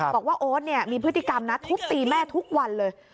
บอกว่าโอ๊ตเนี่ยมีพฤติกรรมทุบตีแม่ทุกวันเลย